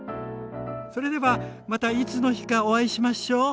それではまたいつの日かお会いしましょう。